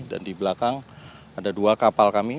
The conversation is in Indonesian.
dan di belakang ada dua kapal kami